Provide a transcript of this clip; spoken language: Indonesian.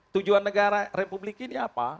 tujuan negara republik ini apa